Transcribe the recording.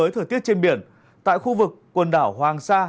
tiếp trên biển tại khu vực quần đảo hoàng sa